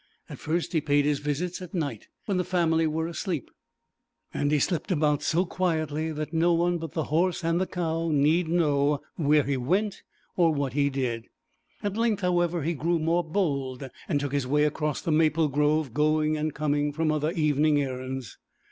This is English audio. At first he paid his visits at night when the family were asleep, and he slipped about so quietly that no one but the horse and the cow need know where he went or what he did. At length, however, he grew more bold, and took his way across the maple grove going and coming from other evening errands.